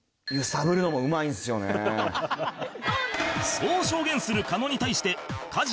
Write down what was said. そう証言する狩野に対して加地が